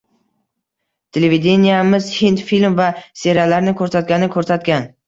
Televideniemiz hind film va seriallarini ko`rsatgani-ko`rsatgan